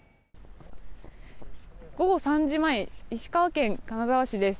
午後３時前石川県金沢市です。